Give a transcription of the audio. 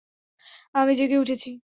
আমি জেগে উঠেছি!